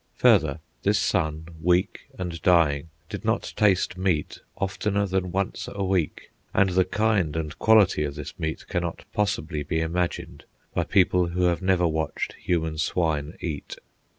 Further, this son, weak and dying, did not taste meat oftener than once a week; and the kind and quality of this meat cannot possibly be imagined by people who have never watched human swine eat.